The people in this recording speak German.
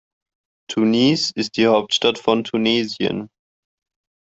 Tunis ist die Hauptstadt von Tunesien.